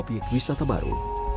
sebagai obyek wisata baru